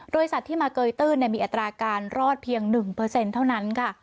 โดยสัตว์ที่มาเกยตื้นมีอัตราการรอดเพียง๑เท่านั้นค่ะ